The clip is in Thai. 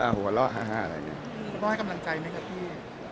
เขาก็ให้กำลังกายไหมกับพี่